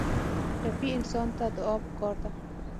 ټپي انسان ته دعا پکار ده.